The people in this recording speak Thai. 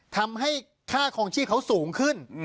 ทำให้ค่าคลองชีพเขาสูงขึ้น